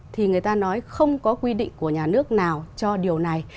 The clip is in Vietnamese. thì người ta nói không có quy định của nhà nước nào cho điều này